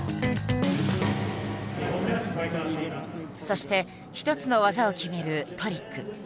そして１つの技を決める「トリック」。